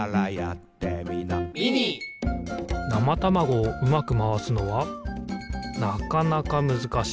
なまたまごをうまくまわすのはなかなかむずかしい。